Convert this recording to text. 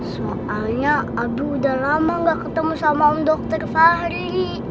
soalnya aduh udah lama gak ketemu sama om dr fahri